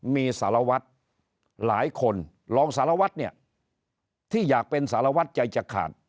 มีสารวัตรหลายคนรองสารวัตรเนี่ยที่อยากเป็นสารวัตรใจจะขาด